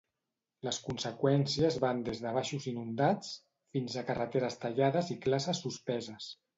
Les conseqüències van des de baixos inundats, fins a carreteres tallades i classes suspeses.